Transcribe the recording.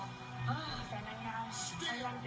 ข้อมูลเข้ามาดูครับ